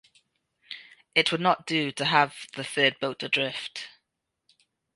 It would not do to have the third boat adrift.